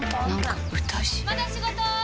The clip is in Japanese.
まだ仕事ー？